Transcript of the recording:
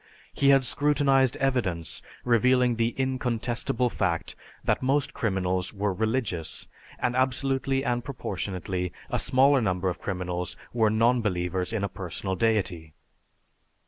He had scrutinized evidence revealing the incontestable fact that most criminals were religious, and absolutely and proportionately, a smaller number of criminals were non believers in a personal deity.